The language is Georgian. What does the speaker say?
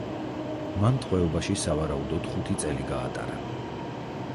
მან ტყვეობაში სავარაუდოდ ხუთი წელი გაატარა.